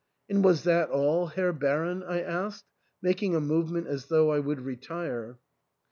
"And was that all, Herr Baron?" I asked, making a movement as though I would retire.